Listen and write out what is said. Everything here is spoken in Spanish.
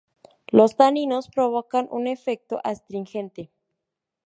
Los taninos provocan un efecto astringente.